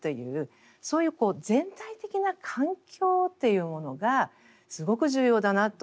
そういう全体的な環境というものがすごく重要だなと。